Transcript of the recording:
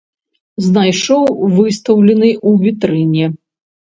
Знайшоў выстаўлены ў вітрыне.